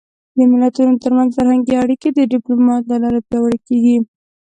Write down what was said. د ملتونو ترمنځ فرهنګي اړیکې د ډيپلومات له لارې پیاوړې کېږي.